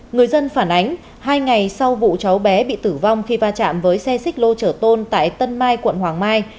người dân phản ánh hai ngày sau vụ cháu bé bị tử vong khi va chạm với xe xích lô chở tôn tại tân mai quận hoàng mai